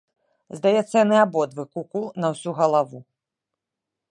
Здаецца, яны абодва ку-ку на ўсю галаву.